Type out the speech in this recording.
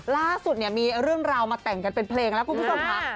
ล่าสุดเนี่ยมีเรื่องราวมาแต่งกันเป็นเพลงแล้วคุณผู้ชมค่ะ